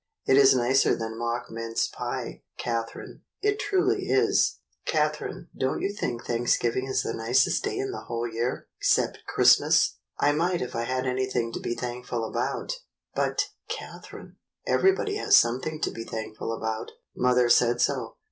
It is nicer than mock mince pie, Catherine, it truly is. Catherine, don't you think Thanksgiving is the nicest day in the whole year, 'cept Christmas.^" THE THANKSGIVING CANDLE 135 "I might if I had anything to be thankful about." "But, Catherine, everybody has something to be thankful about. Mother said so.